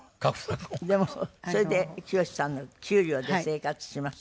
でもそれできよしさんの給料で生活しますと。